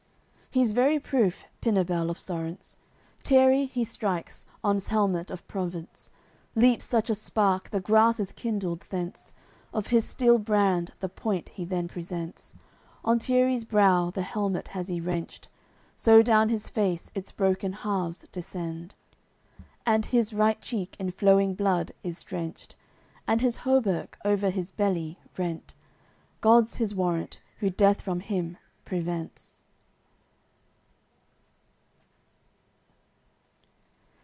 AOI. CCLXXXV He's very proof, Pinabel of Sorence, Tierri he strikes, on 's helmet of Provence, Leaps such a spark, the grass is kindled thence; Of his steel brand the point he then presents, On Tierri's brow the helmet has he wrenched So down his face its broken halves descend; And his right cheek in flowing blood is drenched; And his hauberk, over his belly, rent. God's his warrant, Who death from him prevents.